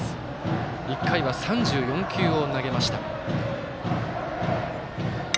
１回は３４球を投げました。